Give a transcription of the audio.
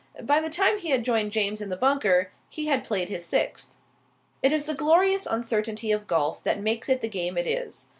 By the time he had joined James in the bunker he had played his sixth. It is the glorious uncertainty of golf that makes it the game it is.